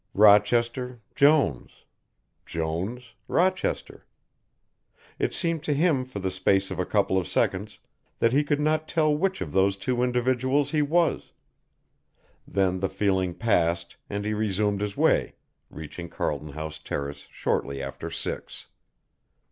Rochester Jones Jones Rochester. It seemed to him for the space of a couple of seconds that he could not tell which of those two individuals he was, then the feeling passed and he resumed his way, reaching Carlton House Terrace shortly after six.